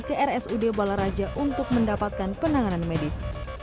ke rsud balaraja untuk mendapatkan penanganan medis